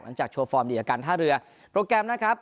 โชว์ฟอร์มดีกับการท่าเรือโปรแกรมนะครับ